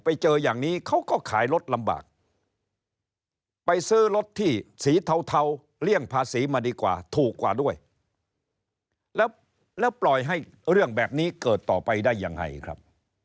ไปเจออย่างนี้เขาก็ขายรถลำบากไปซื้อรถที่สีเทาเลี่ยงภาษีมาดีกว่าถูกกว่าด้วยแล้วปล่อยให้เรื่องแบบนี้เกิดต่อไปได้ยังไงครับ